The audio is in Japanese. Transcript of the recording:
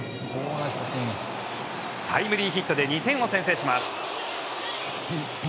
タイムリーヒットで２点を先制します。